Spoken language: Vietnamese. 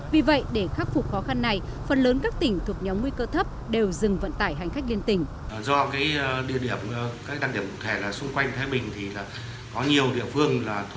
vì vậy để khắc phục khó khăn này phần lớn các tỉnh thuộc nhóm nguy cơ thấp đều dừng vận tải hành khách liên tỉnh